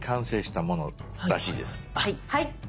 はい。